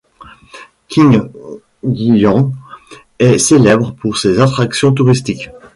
Qingyuan est célèbre pour ses attractions touristiques.